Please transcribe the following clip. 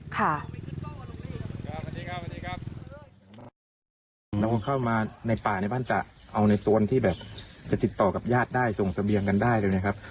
นำเข้ามาในป่าในบ้านตระเอาในโซนที่แบบจะติดต่อกับญาติได้ส่งเสบียงกันได้เลยนะครับ